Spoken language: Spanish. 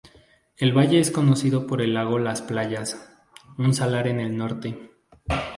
El valle es conocido por el lago las Playas, un salar en el norte.